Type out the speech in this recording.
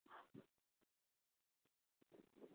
Alinipendeza mwanzo kwa kunipikia chakula kitamu